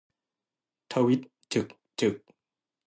ทวีตฉึกฉึก